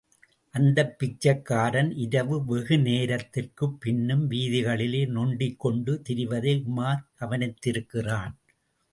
அந்தப் பிச்சைக்காரன் இரவு வெகு நேரத்திற்குப் பின்னும் விதிகளிலே நொண்டிக் கொண்டு திரிவதை உமார் கவனித்திருக்கிறான்.